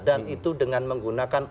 dan itu dengan menggunakan